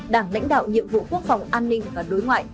đảng lãnh đạo nhiệm vụ quốc phòng an ninh và đối ngoại